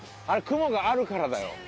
あれ雲があるからだよ。